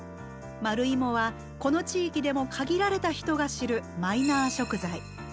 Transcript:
丸いもはこの地域でも限られた人が知るマイナー食材。